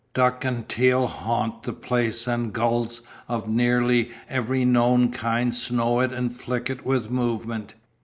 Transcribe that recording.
Duck and teal haunt the place and gulls of nearly every known kind snow it and flick it with movement.